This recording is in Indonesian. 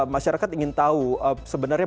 masyarakat ingin tahu sebenarnya